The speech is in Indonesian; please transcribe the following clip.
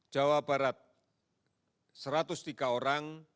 jawa barat satu ratus tiga orang